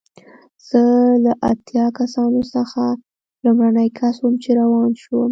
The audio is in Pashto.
زه له اتیا کسانو څخه لومړنی کس وم چې روان شوم.